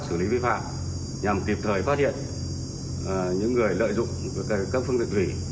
xử lý vi phạm nhằm kịp thời phát hiện những người lợi dụng các phương tiện thủy